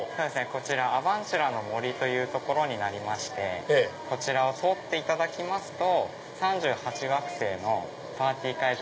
こちらアバンチュラの森という所になりましてこちらを通っていただきますと３８惑星のパーティー会場